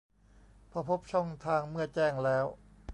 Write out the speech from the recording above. พอพบช่องทางเมื่อแจ้งแล้ว